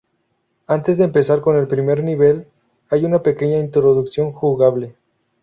Antes de empezar con el primer nivel hay una pequeña introducción jugable.